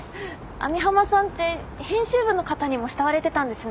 網浜さんって編集部の方にも慕われてたんですね。